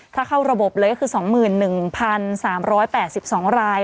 ถ้าเข้าระบบเลยก็คือ๒๑๓๘๒ราย